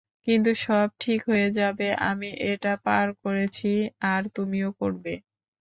কিন্তু সব ঠিক হয়ে যাবে, আমি এটা পার করেছি, আর তুমিও করবে।